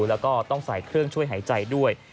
แล้วก็ต้องใส่เครื่องช่วยหายใจด้วย